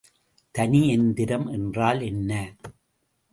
தனி எந்திரம் என்றால் என்ன?